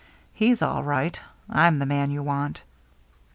He's all right. I'm the man you want."